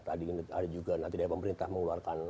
tadi ada juga nanti dari pemerintah mengeluarkan